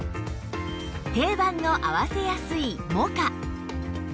定番の合わせやすいモカ